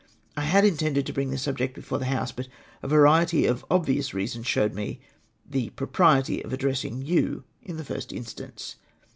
J had in tended to bring this subject before the House, but a variety of obvious reasons showed me the propriety of addressing you in the first instance.